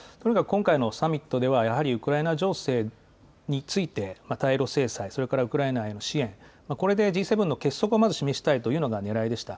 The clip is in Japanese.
今回のサミットでは、やはりウクライナ情勢について対ロ制裁、それからウクライナへの支援、これでＧ７の結束をまず示したいというのがねらいでした。